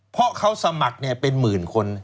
เพราะเขาสมัครเป็นหมื่นคน